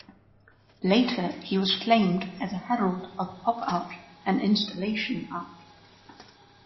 Later he was claimed as a herald of pop art and installation art.